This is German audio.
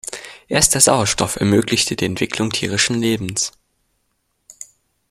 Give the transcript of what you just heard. Erst der Sauerstoff ermöglichte die Entwicklung tierischen Lebens.